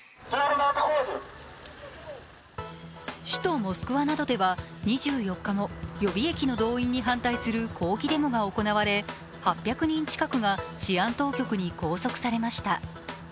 首都モスクワなどでは２４日も予備役の動員に反対する抗議デモが行われ８００人近くが治安当局に拘束されました。